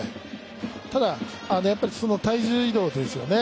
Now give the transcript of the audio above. ただ体重移動ですよね